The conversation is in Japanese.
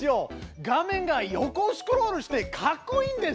画面が横スクロールしてかっこいいんです！